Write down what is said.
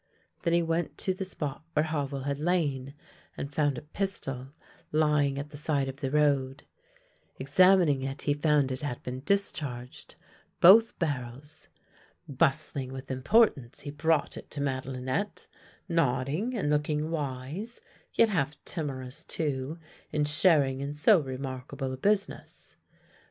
Then he went to the spot where Havel had lain, and found a pistol lying at the side of the road. Exam ining it, he found it had been discharged — both barrels. Bustling with importance he brought it to Madelinette, nodding and looking wise, yet half timorous too in sharing in so remarkable a business.